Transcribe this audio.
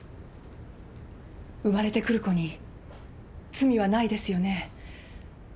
生まれてくる子に罪はないですよね？